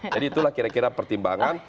jadi itulah kira kira pertimbangan